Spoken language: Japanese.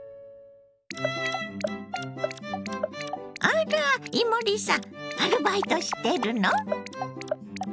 あら伊守さんアルバイトしてるの？